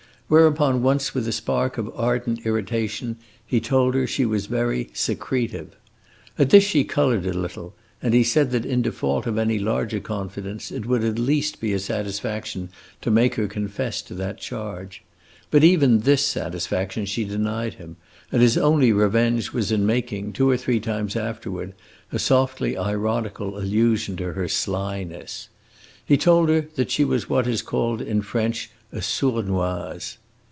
Whereupon, once, with a spark of ardent irritation, he told her she was very "secretive." At this she colored a little, and he said that in default of any larger confidence it would at least be a satisfaction to make her confess to that charge. But even this satisfaction she denied him, and his only revenge was in making, two or three times afterward, a softly ironical allusion to her slyness. He told her that she was what is called in French a sournoise.